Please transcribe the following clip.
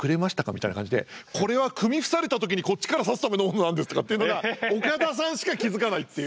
みたいな感じで「これは組み伏された時にこっちから刺すためのものなんです」とかっていうのが岡田さんしか気付かないっていう。